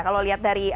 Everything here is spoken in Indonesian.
kalau lihat dari situ